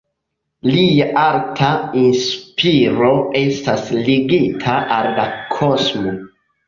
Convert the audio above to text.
Lia arta inspiro estas ligita al la kosmo.